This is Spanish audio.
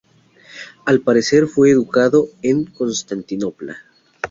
Al parecer fue educado en Constantinopla.